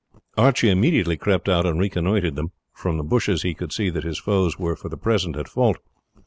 Archie immediately crept out and reconnoitred them; from the bushes he could see that his foes were for the present at fault.